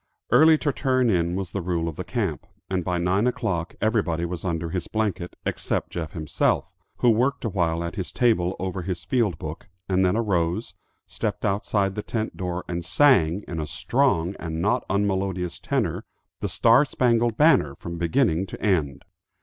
Early to turn in was the rule of the camp, and by nine o'clock everybody was under his blanket, except Jeff himself, who worked awhile at his table over his field book, and then arose, stepped outside the tent door and sang, in a strong and not unmelodious tenor, the Star Spangled Banner from beginning to end.